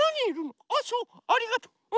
あそうありがとう。